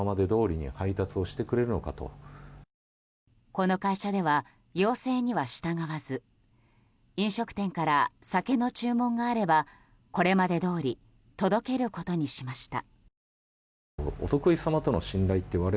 この会社では、要請には従わず飲食店から酒の注文があればこれまでどおり届けることにしました。